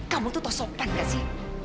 kamu tuh sopan gak sih